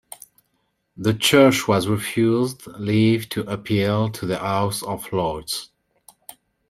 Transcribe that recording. The Church was refused leave to appeal to the House of Lords.